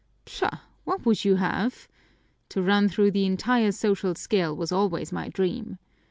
"Pshaw, what would you have? To run through the entire social scale was always my dream.